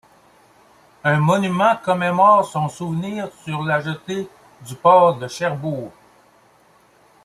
Un monument commémore son souvenir sur la jetée du port de Cherbourg.